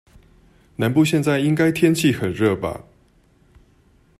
南部現在應該天氣很熱吧？